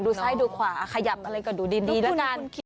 ซ้ายดูขวาขยับอะไรก็ดูดีแล้วกัน